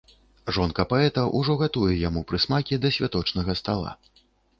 Жонка паэта ўжо гатуе яму прысмакі да святочнага стала.